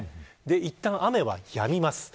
いったん、雨がやみます。